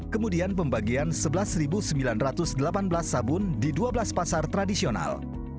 kemudian pembagian sebelas sembilan ratus delapan belas sabun di dua belas pasar tradisional